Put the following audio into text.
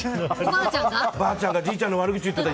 ばあちゃんがじいちゃんの悪口言ってた。